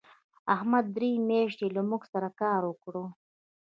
احمد درې میاشتې له موږ سره کار وکړ.